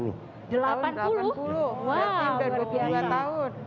lebih dari dua tahun